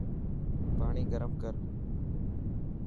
پاڻي گرم ڪر.